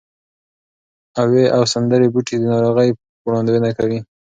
اوې او سمندري بوټي د ناروغۍ وړاندوینه کوي.